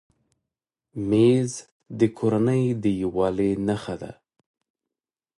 مېز د کورنۍ د یووالي نښه ده.